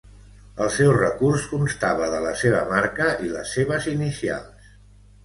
El seu recurs constava de la seva marca i les seves inicials.